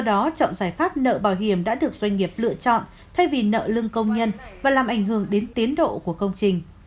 do đó chọn giải pháp nợ bảo hiểm đã được doanh nghiệp lựa chọn thay vì nợ lương công nhân và làm ảnh hưởng đến tiến độ của công trình